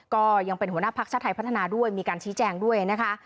ก็ยังเป็นหัวหน้าพักชาติไทยพัฒนาด้วยมีการชี้แจงด้วยนะคะ